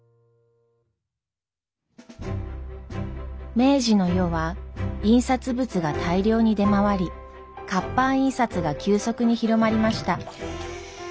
明治の世は印刷物が大量に出回り活版印刷が急速に広まりました。